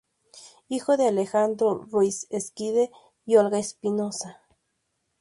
Hijo de Alejandro Ruiz-Esquide y Olga Espinoza.